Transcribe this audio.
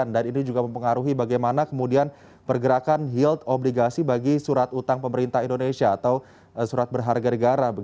dan ini juga mempengaruhi bagaimana kemudian pergerakan yield obligasi bagi surat utang pemerintah indonesia atau surat berharga negara